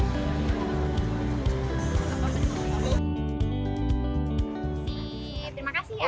tidak ada yang tidak bisa dikawal